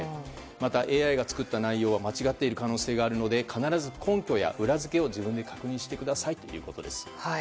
またＡＩが作った内容は間違っている可能性があるので必ず根拠や裏付けを自分で確認してくださいということです。